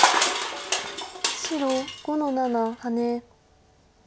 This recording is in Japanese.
白５の七ハネ。